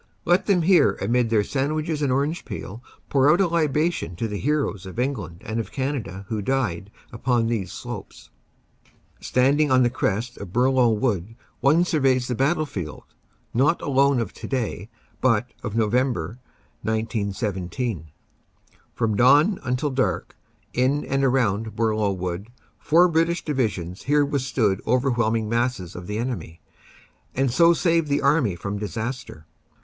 Let them here amid their sandwiches and orange peel pour out a libation to the heroes of England and of Canada who died upon these slopes." Standing on the crest of Bourlon Wood one surveys the battlefield not alone of today but of November, 1917. From dawn and until dark, in and around Bourlon Wood, four British divisions here withstood overwhelming masses of the enemy, and so saved the army from disaster.